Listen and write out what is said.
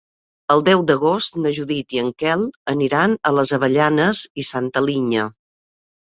El deu d'agost na Judit i en Quel aniran a les Avellanes i Santa Linya.